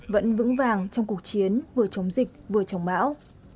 vẫn vững vàng trong cuộc chiến vừa chống dịch vừa chống bão